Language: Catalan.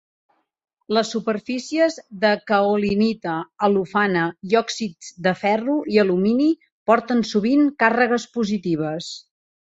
Les superfícies de caolinita, al·lofana i òxids de ferro i alumini porten sovint càrregues positives.